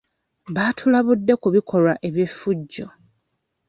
Baatulabudde ku bikolwa eby'effujjo